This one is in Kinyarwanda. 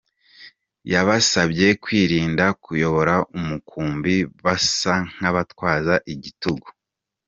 Yabasabye kwirinda kuyobora umukumbi basa nk'abatwaza igitugu.